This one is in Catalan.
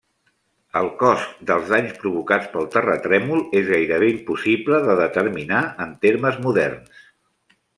El cost dels danys provocats pel terratrèmol és gairebé impossible de determinar en termes moderns.